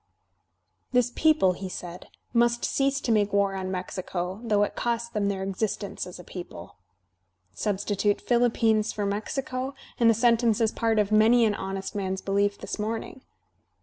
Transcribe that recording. "This people," he said, "must cease to make war on Mexico, though it cost them their existence as a people." Substitute "PhiKppines" for "Mexico," and the sentence is part of many an honest man's belief this morning.